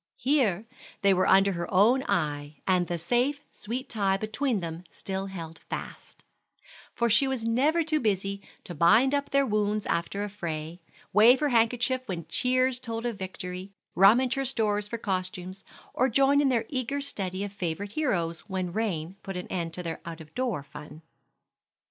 Here they were under her own eye, and the safe, sweet tie between them still held fast; for she was never too busy to bind up their wounds after a fray, wave her handkerchief when cheers told of victory, rummage her stores for costumes, or join in their eager study of favorite heroes when rain put an end to their out of door fun.